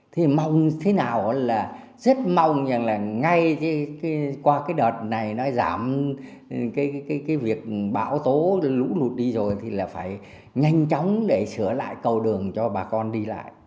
thì mong thế nào là rất mong rằng là ngay qua cái đợt này nó giảm cái việc bão tố lũ lụt đi rồi thì là phải nhanh chóng để sửa lại cầu đường cho bà con đi lại